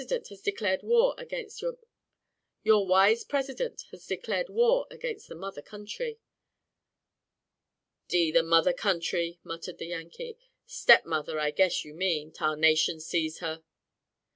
Your wise president has declared war against the mother country." "D n the mother country," muttered the Yankee; "step mother, I guess, you mean, tarnation seize her!!!"